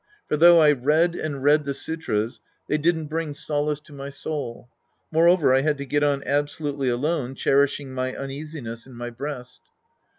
For though I read and read the sutras, they didn't bring solace to my soul. Moreover, I had to get on absolutely alone cherishing my uneasiness in my breast.